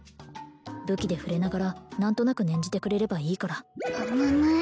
武器で触れながら何となく念じてくれればいいからうむむだりゃー！